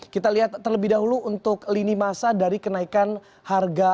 kita lihat terlebih dahulu untuk lini masa dari kenaikan harga